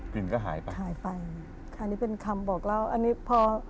กลิ่นก็หายไปค่ะหายไปค่ะนี่เป็นคำบอกแล้วอันนี้พอ